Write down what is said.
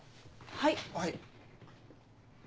はい。